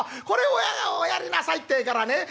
これを『おやりなさい』ってえからね